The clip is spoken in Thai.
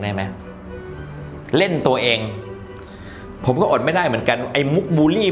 ได้ไหมเล่นตัวเองผมก็อดไม่ได้เหมือนกันไอ้มุกบูลลี่